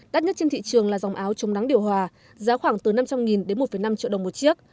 đắt nhất trên thị trường là dòng áo chống nắng điều hòa giá khoảng từ năm trăm linh đến một năm triệu đồng một chiếc